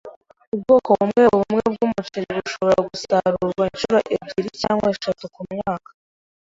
Ubwoko bumwebumwe bwumuceri bushobora gusarurwa inshuro ebyiri cyangwa eshatu kumwaka.